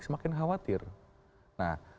semakin khawatir nah